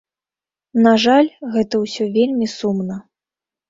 На жаль, гэта ўсё вельмі сумна.